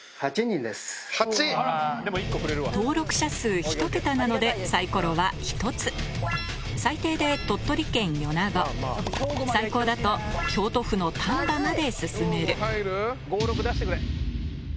８！登録者数ひと桁なのでサイコロは１つ最低で鳥取県米子最高だと京都府の丹波まで進める５６出してくれ。